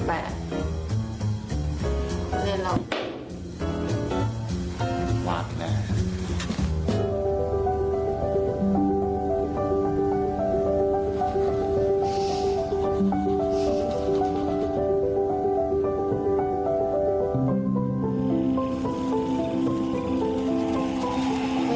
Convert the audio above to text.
ไม่อยากถึงวันพี่นี้เลยล่ะ